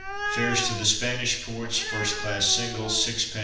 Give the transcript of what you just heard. Fares, to the Spanish ports, first class single, £6, 10s.